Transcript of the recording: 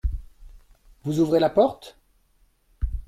Vous ouvrez la porte ?